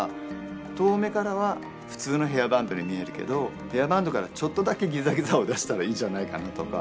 遠目からは普通のヘアバンドに見えるけどヘアバンドからちょっとだけぎざぎざを出したらいいじゃないかとか。